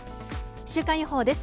週間予報です。